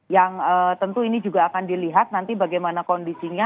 yang tentu ini juga akan dilihat nanti bagaimana kondisinya